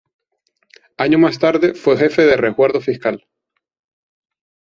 Años más tarde fue Jefe del Resguardo Fiscal.